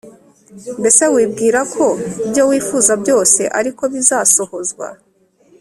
mbese wibwirako ibyo wifuza byose ariko bizasohozwa